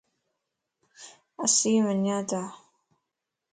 اسين ونياتا